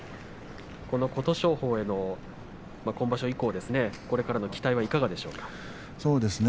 琴勝峰の今場所以降のこれからの期待はいかがですか。